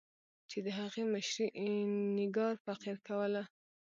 چې د هغې مشري اینیګار فقیر کوله.